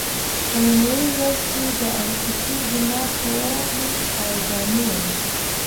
په لومړۍ ورځ چې د الاقصی جومات ته ورغلو هیجاني وم.